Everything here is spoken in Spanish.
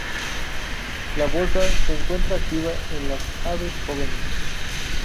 La bolsa se encuentra activa en las aves jóvenes.